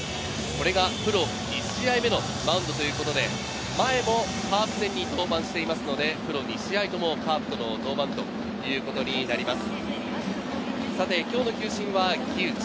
これがプロ２試合目のマウンドということで前もカープ戦に登板していますので、プロ２試合ともカープとの登板ということになります。